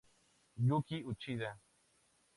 Yūki Uchida